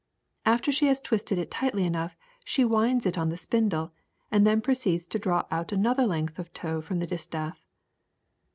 After she has twisted it tightly enough she winds it on the spindle, and then proceeds to draw out another length of tow from the distaff."